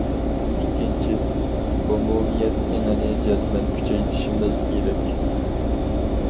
ئىككىنچى، ئومۇمىيەت ئېڭىنى جەزمەن كۈچەيتىشىمىز كېرەك.